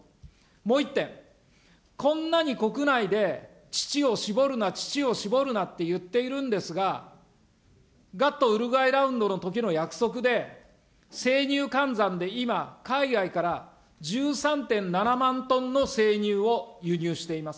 もう一点、こんなに国内で乳を搾るな、乳を搾るなって言っているんですが、ガットウルグアイラウンドのときの約束で、生乳換算で今、海外から１３．７万トンの生乳を輸入しています。